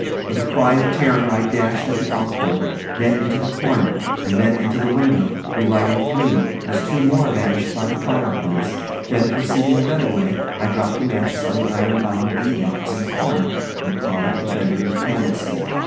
With a cry of terror, I dashed at the alcove, then into the corner, and then into the window, relighting three, as two more vanished by the fireplace; then, perceiving a better way, I dropped the matches on the iron bound deed box in the corner, and caught up the bedroom candlestick.